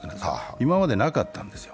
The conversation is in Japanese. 今までなかったんですよ。